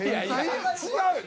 違うよ。